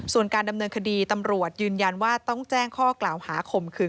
ส่วนการดำเนินคดีตำรวจยืนยันว่าต้องแจ้งข้อกล่าวหาข่มขืน